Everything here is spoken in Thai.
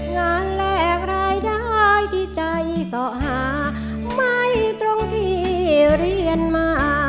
แลกรายได้ที่ใจสอหาไม่ตรงที่เรียนมา